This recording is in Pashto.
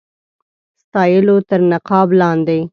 ستایلو تر نقاب لاندي.